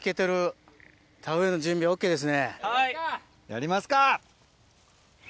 やりますか。